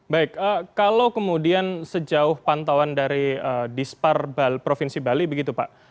baik kalau kemudian sejauh pantauan dari dispar provinsi bali begitu pak